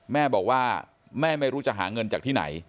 แม่บอกว่าแม่ไม่รู้จะหาเงินจากที่ไหน